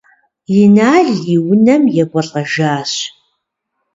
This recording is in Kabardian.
Инал и унэм екӏуэлӏэжащ.